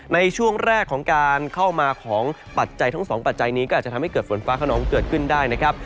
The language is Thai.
ในช่วงแรกของการเข้ามาของปัจจัยทั้งสองปัจจัยนี้ก็อาจจะทำให้เกิดฝนฟ้าขนองเกิดขึ้นได้นะครับ